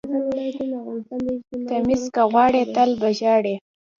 ـ تميز که غواړئ تل به ژاړئ.